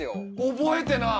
覚えてない！